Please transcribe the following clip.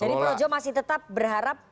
jadi projo masih tetap berharap